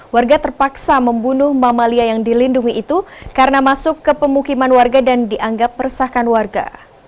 warga terpaksa membunuh mamalia yang dilindungi itu karena masuk ke pemukiman warga dan dianggap meresahkan warga